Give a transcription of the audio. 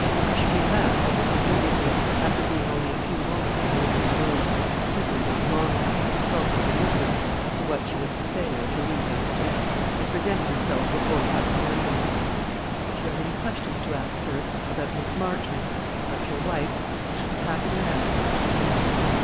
She came back almost immediately, after being only a few moments in Olivia's room, certainly not long enough to consult with her mistress as to what she was to say or to leave unsaid, and presented herself before Captain Arundel. "If you have any questions to ask, sir, about Miss Marchmont about your wife I shall be happy to answer them," she said.